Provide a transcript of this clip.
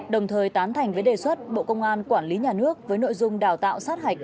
đồng thời tán thành với đề xuất bộ công an quản lý nhà nước với nội dung đào tạo sát hạch